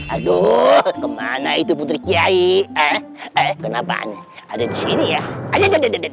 aduh kemana itu putri kiai eh eh kenapaan ada di sini ya